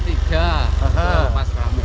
iya itu pas ramai